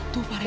tuh pak rete